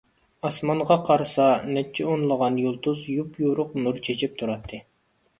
ئاسمانغا قارىسا، نەچچە ئونلىغان يۇلتۇز يوپيورۇق نۇر چېچىپ تۇراتتى.